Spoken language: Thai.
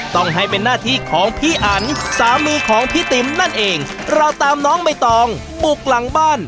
ต้องให้เป็นหน้าที่ของพี่อันสามีของพี่ติ๋มนั่นเองเราตามน้องใบตองบุกหลังบ้าน